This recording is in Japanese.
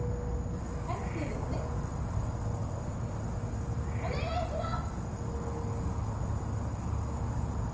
タクシーですねお願いします！